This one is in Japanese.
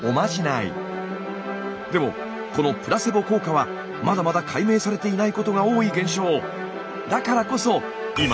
でもこのプラセボ効果はまだまだ解明されていないことが多い現象。